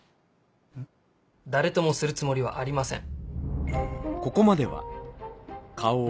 誰ともするつもりはありません。